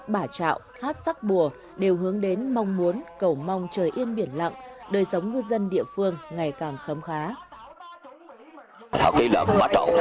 bà trạo hát sắc bùa đều hướng đến mong muốn cầu mong trời yên biển lặng đời sống ngư dân địa phương ngày càng khấm khá